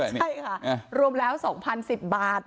ใช่ค่ะรวมแล้ว๒๐๑๐บาท